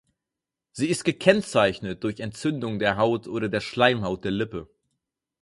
Sie ist gekennzeichnet durch Entzündung der Haut oder der Schleimhaut der Lippe.